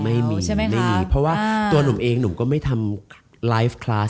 ไม่มีเพราะว่าตัวหนุ่มเองก็ไม่ทำไลฟ์แคลอส